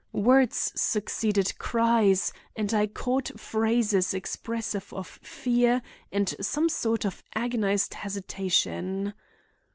Words succeeded cries and I caught phrases expressive of fear and some sort of agonized hesitation.